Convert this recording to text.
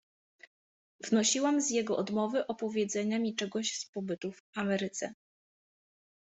"Wnosiłam z jego odmowy opowiedzenia mi czegoś z pobytu w Ameryce."